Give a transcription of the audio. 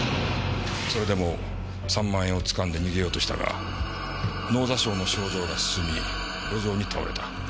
それでも３万円を掴んで逃げようとしたが脳挫傷の症状が進み路上に倒れた。